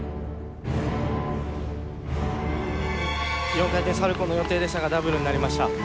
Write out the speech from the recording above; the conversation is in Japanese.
４回転サルコーの予定でしたがダブルになりました。